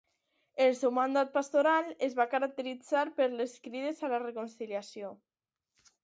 El seu mandat pastoral es va caracteritzar per les crides a la reconciliació.